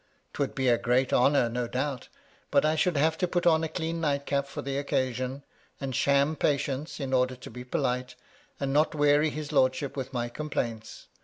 'Twould be a great honour, no doubt ; but 1 should have to put on a clean nightcap for the occasion ; and sham patience, in order to be polite, and not weary his lordship with my complaints.